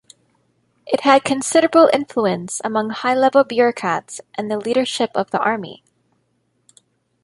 It had considerable influence among high-level bureaucrats and the leadership of the army.